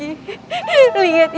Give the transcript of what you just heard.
ibu bunda disini nak